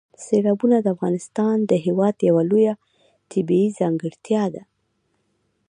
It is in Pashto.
سیلابونه د افغانستان هېواد یوه لویه طبیعي ځانګړتیا ده.